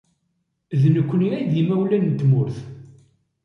D nekni ay d imawlan n tmurt